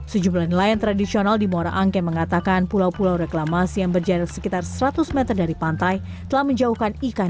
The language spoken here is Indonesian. sejumlah nelayan tradisional di muara angke mengatakan pulau pulau reklamasi yang berjarak sekitar seratus meter dari pantai telah menjauhkan ikan